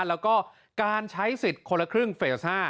แล้วก็การใช้สิทธิ์คนละครึ่งเฟส๕